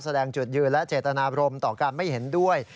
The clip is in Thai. แสดงจุดยืนและเจตนาบรมต่อการไม่เห็นด้วย